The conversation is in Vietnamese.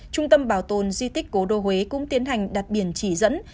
trung tâm bảo tồn di tích cố đô huế cũng tiến hành đặt biển chỉ dẫn